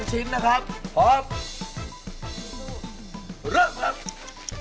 คุณคิดว่าเขาได้หรือไม่ได้